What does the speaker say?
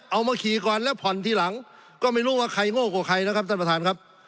เอามาขี่ก่อนแล้วผ่อนทีหลังก็ไม่รู้ว่าใครโง่กว่าใครนะครับท่านประธานครับ